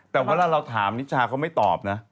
แต่เวลาเราถามนิชาเขาไม่ตอบนะ